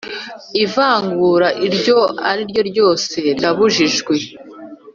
Ivangura iryo ari ryo ryose rirabujijwe.